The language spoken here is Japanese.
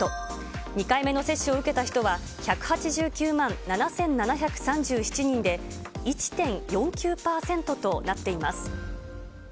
２回目の接種を受けた人は１８９万７７３７人で、１．４９％となっています。